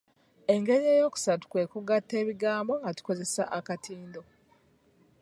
Engeri eyookusatu kwe kugatta ebigambo nga tukozesa akatindo.